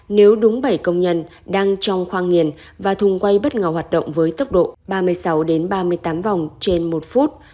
nếu đúng bảy công nhân đang trong khoang nghiền và thùng quay bất ngờ hoạt động với tốc độ ba mươi sáu ba mươi tám vòng trên một phút